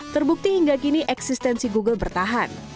terbukti hingga kini eksistensi google bertahan